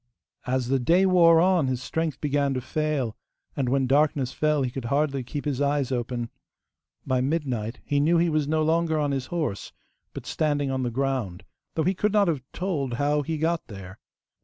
As the day wore on, his strength began to fail, and when darkness fell he could hardly keep his eyes open. By midnight he knew he was no longer on his horse, but standing on the ground, though he could not have told how he got there.